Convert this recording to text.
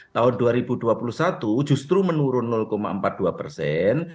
tahun dua ribu dua puluh satu justru menurun empat puluh dua persen